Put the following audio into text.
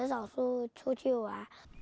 vương phúc mãn